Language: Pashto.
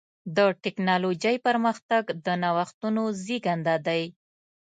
د ټکنالوجۍ پرمختګ د نوښتونو زېږنده دی.